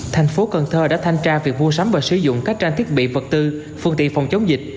tp cn đã thanh tra việc mua sắm và sử dụng các trang thiết bị vật tư phương tiện phòng chống dịch